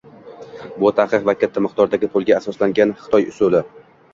Bu taqiq va katta miqdordagi pulga asoslangan Xitoy usuli